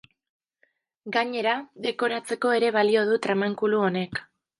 Gainera, dekoratzeko ere balio du tramankulu honek.